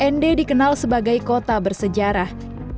nd dikenal sebagai kota bersejarah